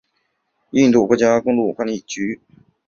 印度国家公路管理局。